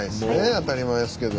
当たり前ですけど。